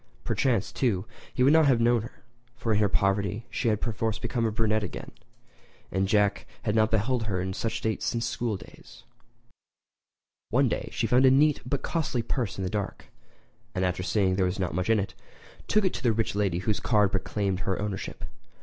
Perchance, too, he would not have known her; for in her poverty she had perforce become a brunette again, and Jack had not beheld her in that state since school days. One day she found a neat but costly purse in the dark; and after seeing that there was not much in it, took it to the rich lady whose card proclaimed her ownership.